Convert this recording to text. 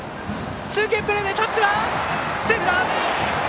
中継プレーでタッチはセーフだ！